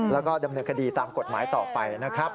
แล้วก็ดำเนินคดีตามกฎหมายต่อไปนะครับ